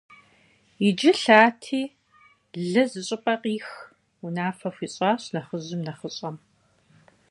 Иджы лъати лы зыщӀыпӀэ къих, - унафэ хуищӀащ нэхъыжьым нэхъыщӀэм.